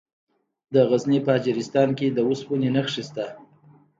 د غزني په اجرستان کې د اوسپنې نښې شته.